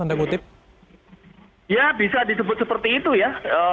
ya bisa disebut seperti itu ya